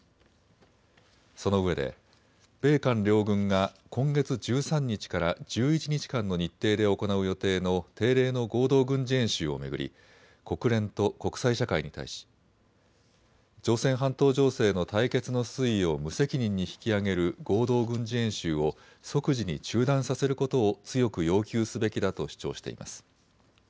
そのうえで米韓両軍が今月１３日から１１日間の日程で行う予定の定例の合同軍事演習を巡り国連と国際社会に対し朝鮮半島情勢の対決の水位を無責任に引き上げる合同軍事演習を即時に中断させることを強く要求すべきだと主張しています。